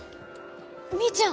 みーちゃん